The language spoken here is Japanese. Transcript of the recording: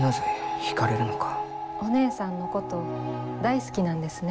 お姉さんのこと大好きなんですね。